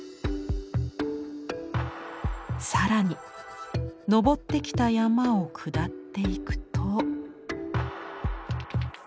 更に登ってきた山を下っていくと仁王門。